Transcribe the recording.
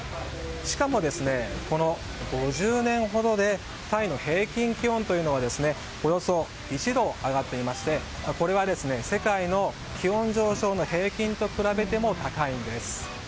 しかも、この５０年ほどでタイの平均気温というのはおよそ１度上がっていましてこれは世界の気温上昇の平均と比べても高いんです。